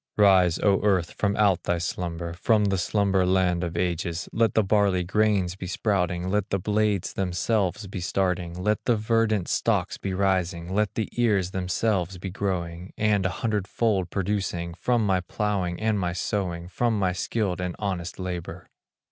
Rise, O earth, from out thy slumber, From the slumber land of ages, Let the barley grains be sprouting, Let the blades themselves be starting, Let the verdant stalks be rising, Let the ears themselves be growing, And a hundredfold producing, From my plowing and my sowing, From my skilled and honest labor.